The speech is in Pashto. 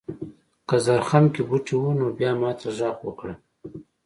که زرخم کې بوټي و نو بیا ماته غږ وکړه.